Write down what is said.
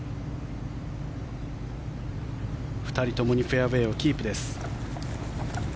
２人ともにフェアウェーをキープです。